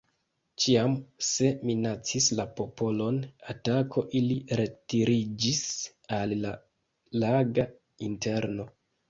Ĉiam, se minacis la popolon atako, ili retiriĝis al la laga interno.